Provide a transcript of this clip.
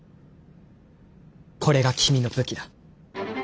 これが君の武器だ。